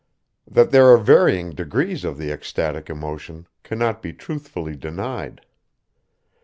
That there are varying degrees of the ecstatic emotion cannot be truthfully denied.